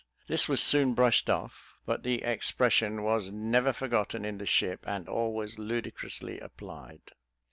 This was soon brushed off, but the expression was never forgotten in the ship, and always ludicrously applied.